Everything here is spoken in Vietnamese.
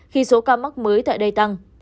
khi số ca mắc mới tại đây tăng